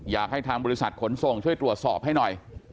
อยากให้ทางบริษัทขนส่งช่วยตรวจสอบให้หน่อย